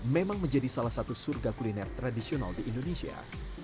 memang menjadi salah satu surga kuliner tradisional di indonesia